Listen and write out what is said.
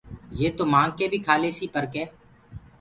يي تو مآنگ ڪي بيٚ کاليسيٚ پر ڪي